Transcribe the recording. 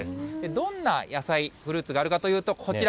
どんな野菜、フルーツがあるかというと、こちら。